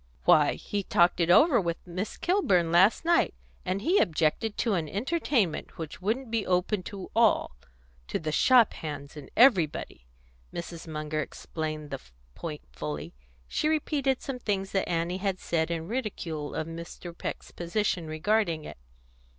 "Why, he talked it over with Miss Kilburn last night, and he objected to an entertainment which wouldn't be open to all to the shop hands and everybody." Mrs. Munger explained the point fully. She repeated some things that Annie had said in ridicule of Mr. Peck's position regarding it.